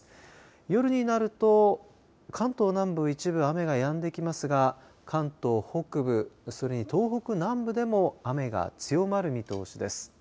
夜になると関東南部の一部雨がやんできますが関東北部、それに東北南部でも雨が強まる見通しです。